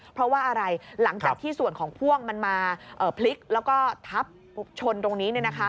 เพราะว่าอะไรหลังจากที่ส่วนของพ่วงมันมาพลิกแล้วก็ทับชนตรงนี้